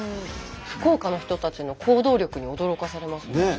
福岡の人たちの行動力に驚かされますね。